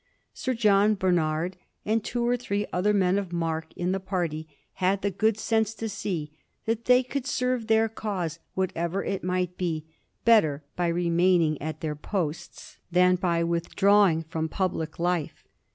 Sir John Barnard, and two or three other men of mark in the party, had the good sense to see that they could serve their cause, whatever it might be, better by remaining at their posts than by withdrawing from public life.